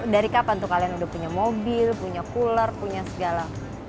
dari kapan tuh kalian udah punya mobil punya cooler punya segala